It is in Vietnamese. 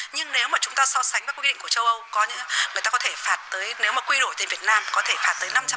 nhưng nếu mà chúng ta so sánh với quy định của châu âu người ta có thể phạt tới nếu mà quy đổi tên việt nam có thể phạt tới năm trăm linh tỷ